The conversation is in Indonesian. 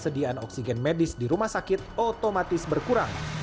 kesediaan oksigen medis di rumah sakit otomatis berkurang